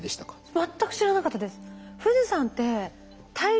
全く知らなかったです。